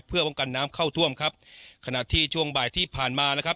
เพื่อป้องกันน้ำเข้าท่วมครับขณะที่ช่วงบ่ายที่ผ่านมานะครับ